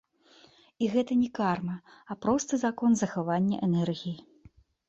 І гэта не карма, а просты закон захавання энергіі.